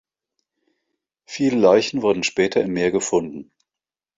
Viele Leichen wurden später im Meer gefunden.